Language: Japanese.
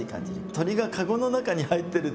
鳥が籠の中に入ってるっていうのは。